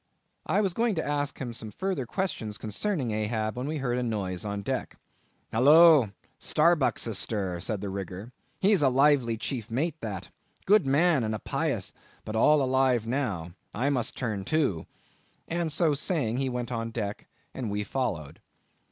I was going to ask him some further questions concerning Ahab, when we heard a noise on deck. "Holloa! Starbuck's astir," said the rigger. "He's a lively chief mate, that; good man, and a pious; but all alive now, I must turn to." And so saying he went on deck, and we followed.